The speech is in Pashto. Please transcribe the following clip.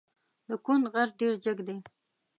د کند غر ډېر جګ دی.